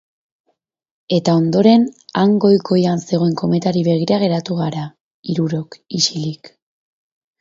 Eta ondoren han goi goian zegoen kometari begira geratu gara, hirurok, isilik